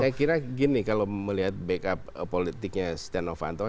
saya kira gini kalau melihat backup politiknya setia novanto